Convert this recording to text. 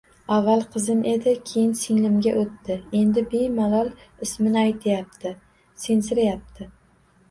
Avval qizim edi, keyin singlimga o‘tdi, endi bemalol ismini aytyapti, sensirayapti